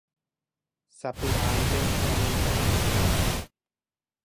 sapy'ánte ñanemyasẽva